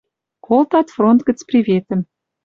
Колтат фронт гӹц приветӹм».